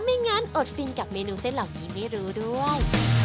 ไม่งั้นอดฟินกับเมนูเส้นเหล่านี้ไม่รู้ด้วย